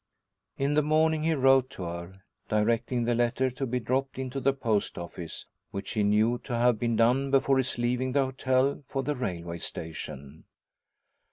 In the morning he wrote to her, directing the letter to be dropped into the post office; which he knew to have been done before his leaving the hotel for the railway station.